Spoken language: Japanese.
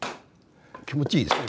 気持ちいいですね